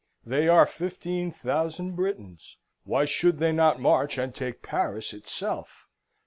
They are fifteen thousand Britons. Why should they not march and take Paris itself?